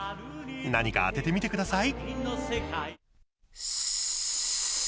何か当ててみてください。